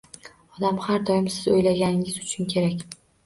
Odam har doim siz o'ylaganingiz uchun kerak.